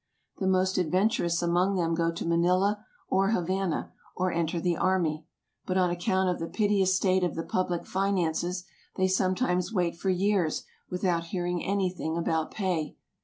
The most ad venturous among them go to Manila or Havana, or enter the army, but on account of the piteous state of the public finances, they sometimes wait for years without hearing any thing about pay.